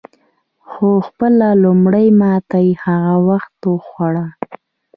خو خپله لومړۍ ماته یې هغه وخت وخوړه.